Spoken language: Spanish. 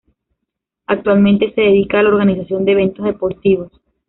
Actualmente se dedica a la organización de eventos deportivos.